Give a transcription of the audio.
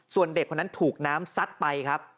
ส่วนเด็กคนนั้นถูกน้ำซัดไปครับ